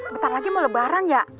bentar lagi mau lebaran ya